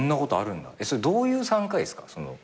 それどういう３回ですか？